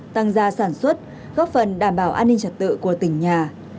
tăng gia sản xuất góp phần đảm bảo an ninh trật tự của tỉnh nhà